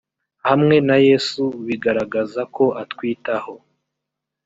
hamwe na yesu bigaragaza ko atwitaho